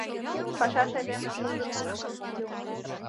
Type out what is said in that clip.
Пашаш айдемын шулдыр кушкын